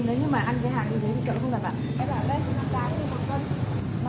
nói như mà ăn cái hàng như thế thì sợ không đảm bảo